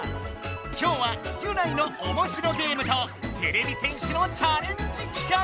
きょうはギュナイのおもしろゲームとテレビ戦士のチャレンジ企画。